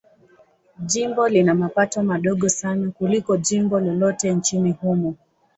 Jimbo lina mapato madogo sana kuliko jimbo lolote nchini humo.